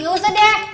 nggak usah de